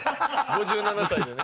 ５７歳でね。